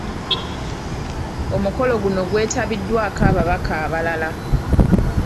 Omukolo guno gwetabiddwako ababaka abalala.